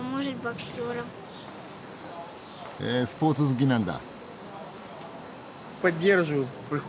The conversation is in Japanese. へえスポーツ好きなんだ。